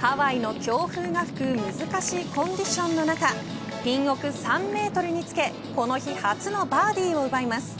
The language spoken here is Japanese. ハワイの強風が吹く難しいコンディションの中ピン奥３メートルにつけこの日初のバーディーを奪います。